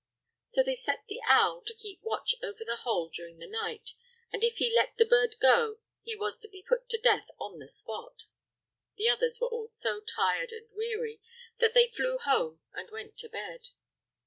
So they set the owl to keep watch over the hole during the night, and if he let the bird go he was to be put to death on the spot. The others were all so tired and weary that they flew home and went to bed.